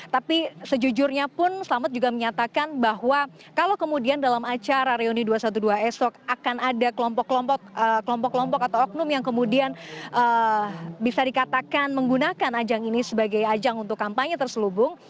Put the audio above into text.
tapi sejujurnya pun selamat juga menyatakan bahwa kalau kemudian dalam acara reuni dua ratus dua belas esok akan ada kelompok kelompok atau oknum yang kemudian bisa dikatakan menggunakan ajang ini sebagai ajang untuk kampanye terselubung